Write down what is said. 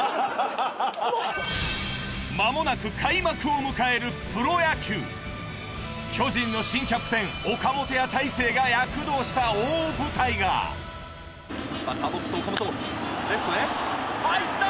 間もなく巨人の新キャプテン岡本や大勢が躍動した大舞台がバッターボックス岡本レフトへ入った！